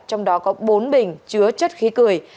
trong đó có bốn bình chứa chất khí cười